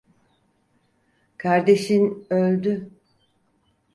Kardeşin öldü.